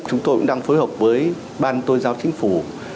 chúng tôi cũng đang phối hợp với ban tôn giáo chính phủ